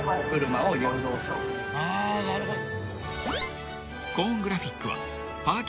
あなるほど。